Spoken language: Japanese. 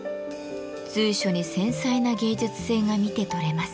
随所に繊細な芸術性が見て取れます。